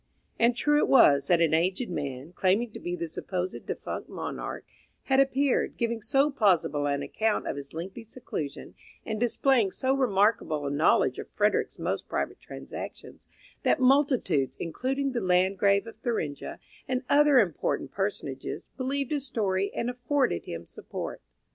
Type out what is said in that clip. And true it was that an aged man, claiming to be the supposed defunct monarch, had appeared, giving so plausible an account of his lengthy seclusion, and displaying so remarkable a knowledge of Frederick's most private transactions, that multitudes, including the Landgrave of Thuringia and other important personages, believed his story and afforded him support.